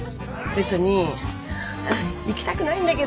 別に行きたくないんだけど。